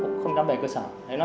nhưng mà không sao